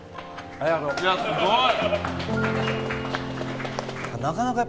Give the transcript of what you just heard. いやすごい！